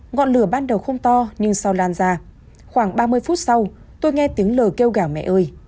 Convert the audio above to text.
ngọn lửa ban đầu không to nhưng sau lan ra khoảng ba mươi phút sau tôi nghe tiếng lời kêu gà mẹ ơi